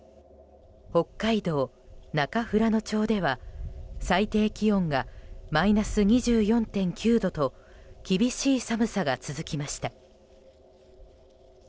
北海道中富良野町では最低気温がマイナス２４．９度と厳しい寒さが続きました。